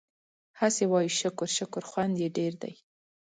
هسې وايو شکر شکر خوند يې ډېر دی